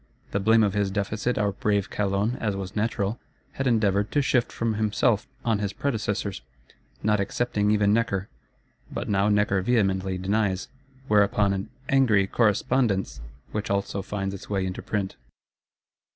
The blame of his Deficit our brave Calonne, as was natural, had endeavoured to shift from himself on his predecessors; not excepting even Necker. But now Necker vehemently denies; whereupon an "angry Correspondence," which also finds its way into print.